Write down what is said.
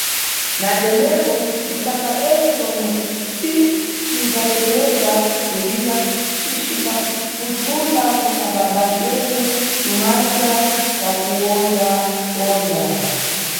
Na tenepo, citsakabere, comwe si cikhalekeza kulira, cicimbafuthula kuna babacene tu manja twakuwonda-wonda.